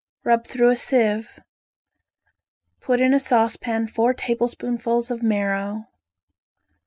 Rub through a sieve. Put in a saucepan four tablespoonfuls of marrow.